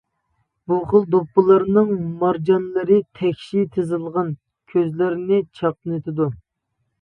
بۇ خىل دوپپىلارنىڭ مارجانلىرى تەكشى تىزىلغان، كۆزلەرنى چاقنىتىدۇ.